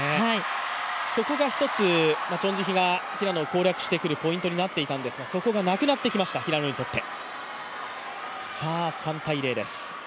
そこが１つ、チョン・ジヒが平野を攻略してくるポイントだったんですがそこがなくなってきました、平野にとって。